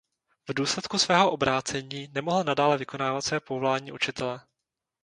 V důsledku svého obrácení nemohl nadále vykonávat své povolání učitele.